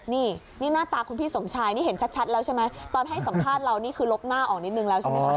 นี่นี่หน้าตาคุณพี่สมชายนี่เห็นชัดแล้วใช่ไหมตอนให้สัมภาษณ์เรานี่คือลบหน้าออกนิดนึงแล้วใช่ไหมคะ